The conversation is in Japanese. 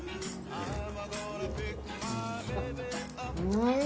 うん！